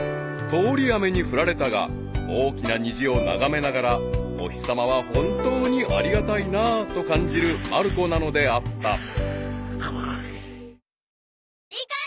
［通り雨に降られたが大きな虹を眺めながらお日さまは本当にありがたいなあと感じるまる子なのであった］